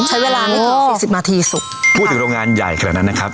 ใช้เวลาไม่ถึงสี่สิบนาทีสุกพูดถึงโรงงานใหญ่ขนาดนั้นนะครับ